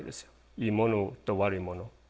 いいものと悪いもの。